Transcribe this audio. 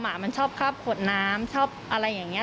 หมันชอบครอบขวดน้ำชอบอะไรอย่างนี้